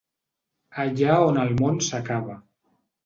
Allà on el món s’acaba.